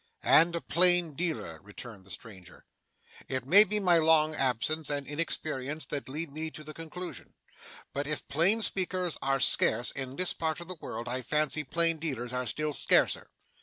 'And a plain dealer,' returned the stranger. 'It may be my long absence and inexperience that lead me to the conclusion; but if plain speakers are scarce in this part of the world, I fancy plain dealers are still scarcer.